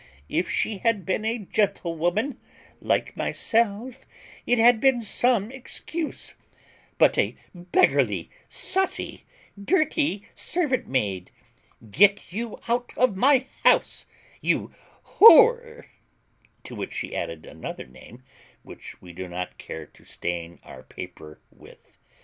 If she had been a gentlewoman, like myself, it had been some excuse; but a beggarly, saucy, dirty servant maid. Get you out of my house, you whore." To which she added another name, which we do not care to stain our paper with.